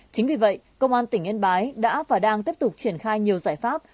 chính vì vậy công an tỉnh yên bái đã và đang tiếp tục triển khai nhiều giải pháp